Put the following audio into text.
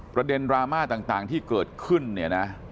ประเด็นดราม่าต่างที่เกิดขึ้นเนี่ยนะ